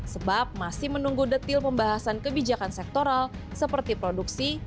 sebab masih menunggu detil pembahasan kebijakan sektoral seperti produksi